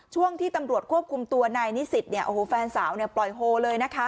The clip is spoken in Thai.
ช่วงที่ตำรวจควบคุมตัวนายนิสิตเนี่ยโอ้โหแฟนสาวเนี่ยปล่อยโฮเลยนะคะ